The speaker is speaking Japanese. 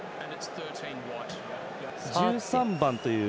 １３番という。